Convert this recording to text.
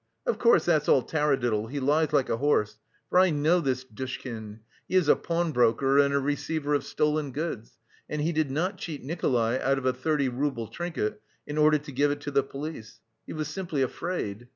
Of course, that's all taradiddle; he lies like a horse, for I know this Dushkin, he is a pawnbroker and a receiver of stolen goods, and he did not cheat Nikolay out of a thirty rouble trinket in order to give it to the police. He was simply afraid.